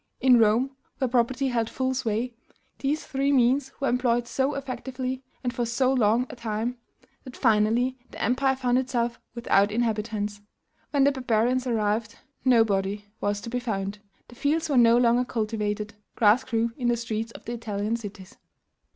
In Rome (where property held full sway), these three means were employed so effectively, and for so long a time, that finally the empire found itself without inhabitants. When the barbarians arrived, nobody was to be found; the fields were no longer cultivated; grass grew in the streets of the Italian cities.